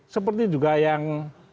seperti juga yang